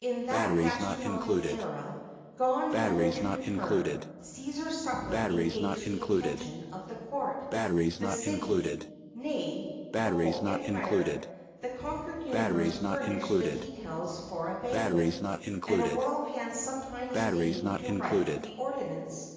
In that gastronomic era gone, never to return Cæsar's supper engaged the attention of the court, the city, nay, the whole empire. The conquered universe furnished the details for a banquet, and a royal hand sometimes deigned to write the ordinance.